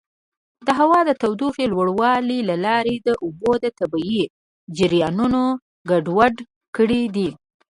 د هوا د تودوخې لوړوالي له لارې د اوبو طبیعي جریانونه ګډوډ کړي دي.